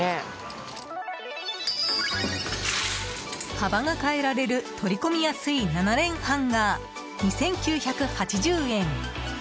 幅が変えられる取込みやすい７連ハンガー２９８０円。